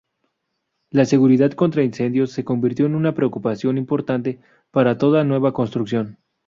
La seguridad contra incendios se convirtió en una preocupación importante para toda nueva construcción.